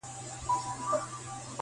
څه دي زده نه کړه د ژوند په مدرسه کي-